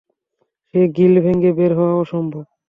সেই গ্রিল ভেঙে বের হওয়া অসম্ভব।